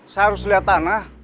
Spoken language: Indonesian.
saya harus lihat tanah